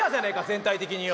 全体的によ。